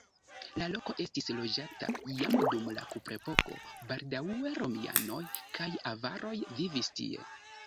La loko estis loĝata jam dum la kuprepoko, baldaŭe romianoj kaj avaroj vivis tie.